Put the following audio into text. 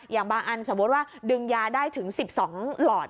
อย่างบางอันสมมุติว่าดึงยาได้ถึง๑๒หลอด